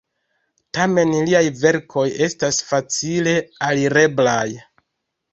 Tamen liaj verkoj estas facile alireblaj.